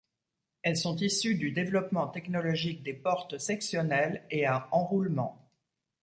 Elles sont issues du développement technologique des portes sectionnelles et à enroulement.